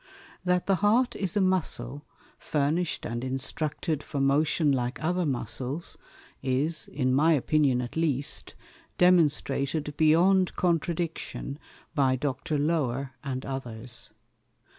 That the Heart is a Muscle, furnish'd and instructed for Motion like other Muscles, is (in my Opinion at least) demonstrated beyond Contradiction by Dr. Lower and others.